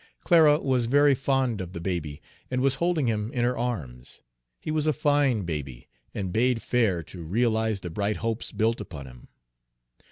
Clara was very fond of the baby, and was holding him in her arms. He was a fine baby, and bade fair to realize the bright hopes built upon him.